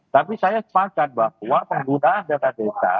tapi saya sepakat bahwa penggunaan data desa